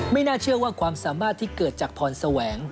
น่าเชื่อว่าความสามารถที่เกิดจากพรแสวง